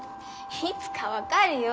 いつか分かるよ。